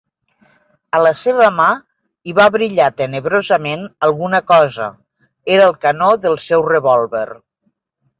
A la seva mà hi va brillar tenebrosament alguna cosa, era el canó del seu revòlver.